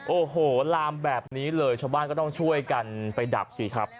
โอ้โหลามแบบนี้เลยชาวบ้านก็ต้องช่วยกันไปดับสิครับ